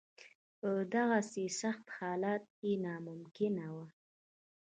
په دغسې سخت حالت کې ناممکنه وه.